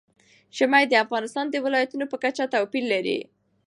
ژمی د افغانستان د ولایاتو په کچه توپیر لري.